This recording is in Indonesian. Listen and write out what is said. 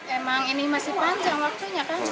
emang ini masih panjang waktunya kan